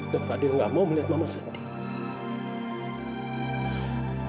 dan fadil gak mau melihat mama sedih